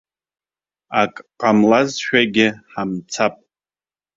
Ак ҟамлазшәагьы ҳамцап!